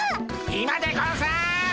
今でゴンス。